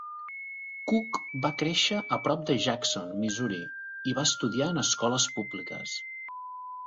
Cook va créixer a prop de Jackson, Missouri, i va estudiar en escoles públiques.